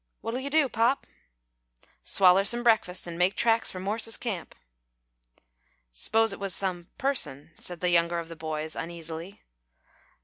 What'll you do, pop?" "Swaller some breakfast an' make tracks for Morse's camp." "S'pose it was some person," said the younger of the boys, uneasily.